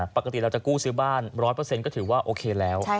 ปกติเราจะกู้ซื้อบ้าน๑๐๐ก็ถือว่าโอเคแล้ว